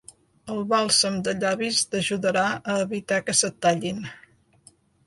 El bàlsam de llavis t'ajudarà a evitar que se't tallin.